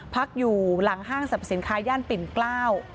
พักอยู่หลังห้างสรรพสินค้าย่านปิ่นเกล้า